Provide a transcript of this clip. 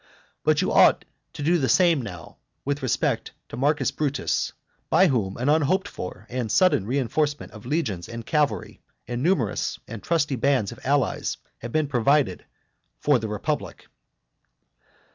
And you ought to do the same now with respect to Marcus Brutus, by whom an unhoped for and sudden reinforcement of legions and cavalry, and numerous and trusty bands of allies, have been provided for the republic.